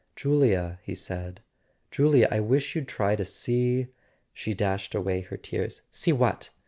"Julia," he said, "Julia, I wish you'd try to see ..." She dashed away her tears. "See what?